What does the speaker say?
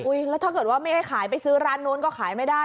แล้วถ้าเกิดว่าไม่ให้ขายไปซื้อร้านนู้นก็ขายไม่ได้